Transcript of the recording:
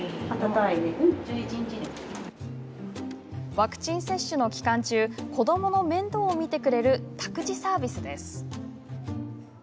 ワクチン接種の期間中子どもの面倒を見てくれる託児サービスです。